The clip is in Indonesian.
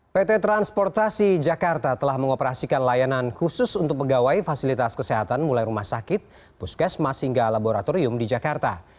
pt transportasi jakarta telah mengoperasikan layanan khusus untuk pegawai fasilitas kesehatan mulai rumah sakit puskesmas hingga laboratorium di jakarta